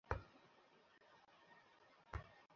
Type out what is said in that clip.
তুমি এখানে থাকো?